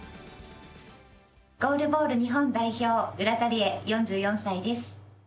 ゴールボール日本代表浦田理恵、４４歳です。